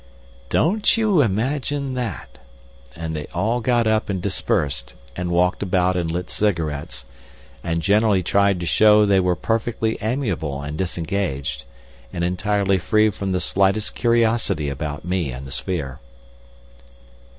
"Don't you imagine that!" and they all got up and dispersed, and walked about and lit cigarettes, and generally tried to show they were perfectly amiable and disengaged, and entirely free from the slightest curiosity about me and the sphere.